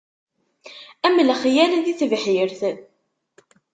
Am lexyal di tebḥirt.